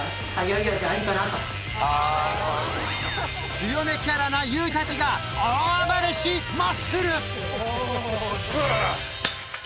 強めキャラなＹＯＵたちが大暴れしマッスル！